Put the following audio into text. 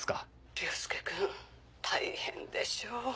凌介君大変でしょう。